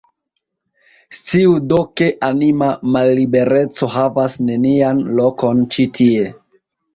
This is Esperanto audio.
Sciu, do, ke anima mallibereco havas nenian lokon ĉi tie.